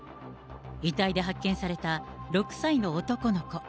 遺体で発見された６歳の男の子。